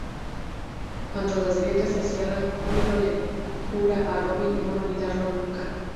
Cuando las grietas se cierran, Júbilo le jura a Robin no olvidarlo nunca.